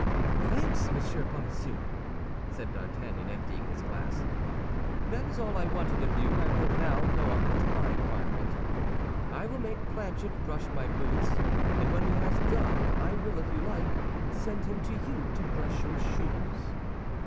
"Thanks, Monsieur Bonacieux," said D'Artagnan, emptying his glass, "that is all I wanted of you. I will now go up into my apartment. I will make Planchet brush my boots; and when he has done, I will, if you like, send him to you to brush your shoes."